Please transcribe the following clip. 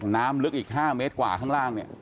น้ำลึกอีก๕เมตรกว่าข้างล่างเนี่ย